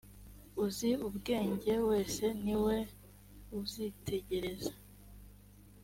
uzi ubwenge wese ni we uzitegereza